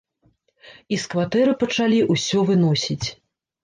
І з кватэры пачалі ўсё выносіць.